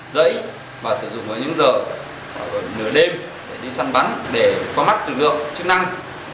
rẫy và sử dụng vào những giờ hoặc là nửa đêm để đi săn bắn để có mắt được được chức năng